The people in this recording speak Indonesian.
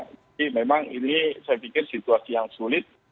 jadi memang ini saya pikir situasi yang sulit